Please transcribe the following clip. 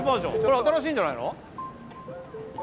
新しいんじゃないの？